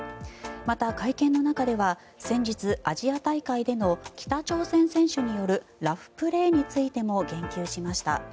また、会見の中では先日、アジア大会での北朝鮮選手によるラフプレーについても言及しました。